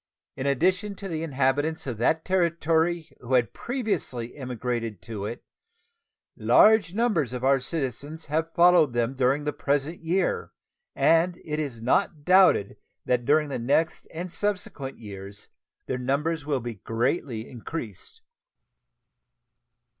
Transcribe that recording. In addition to the inhabitants in that Territory who had previously emigrated to it, large numbers of our citizens have followed them during the present year, and it is not doubted that during the next and subsequent years their numbers will be greatly increased.